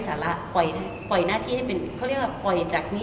ควรจะศึกษาข้อมูลให้ดีกว่าเขาก็ได้ขอตอบใช่